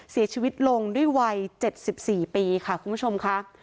เสียชีวิตลงด้วยวัย๗๔ปีค่ะคุณผู้ชมค่ะ